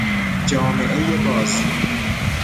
جامعهی باز